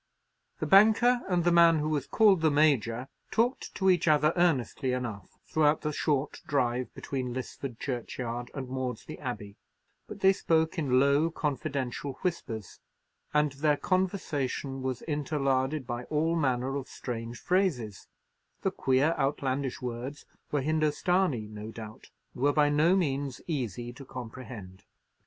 The banker and the man who was called the Major talked to each other earnestly enough throughout the short drive between Lisford churchyard and Maudesley Abbey; but they spoke in low confidential whispers, and their conversation was interlarded by all manner of strange phrases; the queer, outlandish words were Hindostanee, no doubt, and were by no means easy to comprehend.